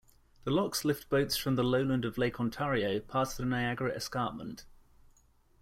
The locks lift boats from the lowland of Lake Ontario past the Niagara Escarpment.